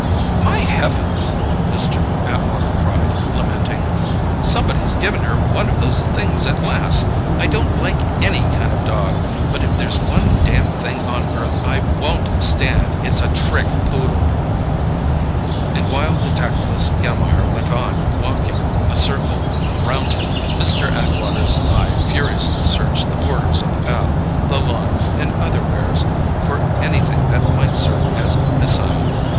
"My heavens!" Mr. Atwater cried, lamenting. "Somebody's given her one of those things at last! I don't like any kind of dog, but if there's one dam thing on earth I won't stand, it's a trick poodle!" And while the tactless Gammire went on, "walking" a circle round him, Mr. Atwater's eye furiously searched the borders of the path, the lawn, and otherwheres, for anything that might serve as missile.